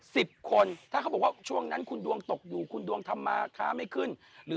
สิบคนถ้าเขาบอกว่าช่วงนั้นคุณดวงตกอยู่คุณดวงธรรมาค้าไม่ขึ้นหรือ